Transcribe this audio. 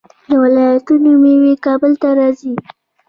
د ولایتونو میوې کابل ته راځي.